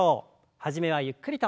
初めはゆっくりと。